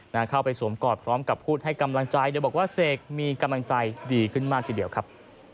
เข้าไปสวมกอดพร้อมกับพูดให้กำลังใจโดยบอกว่าเสกมีกำลังใจดีขึ้นมากทีเดียวครับ